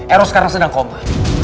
eros karena sedang koma